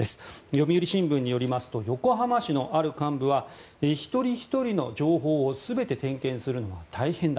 読売新聞によりますと横浜市のある幹部は一人ひとりの情報を全て点検するのは大変だ。